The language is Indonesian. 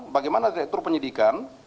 bagaimana direktur penyidikan